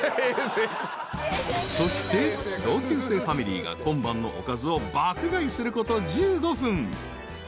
［そして同級生ファミリーが今晩のおかずを爆買いすること１５分］